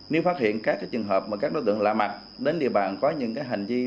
nếu phát hiện các trường hợp mà các đối tượng lạ mặt đến địa bàn có những hành vi